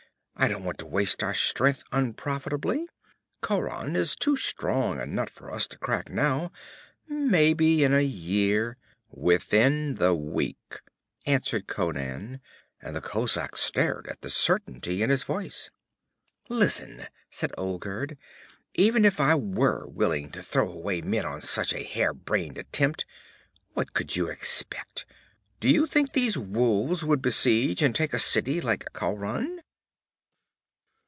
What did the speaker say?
I don't want to waste our strength unprofitably. Khauran is too strong a nut for us to crack now. Maybe in a year ' 'Within the week,' answered Conan, and the kozak stared at the certainty in his voice. 'Listen,' said Olgerd, 'even if I were willing to throw away men on such a hare brained attempt what could you expect? Do you think these wolves could besiege and take a city like Khauran?'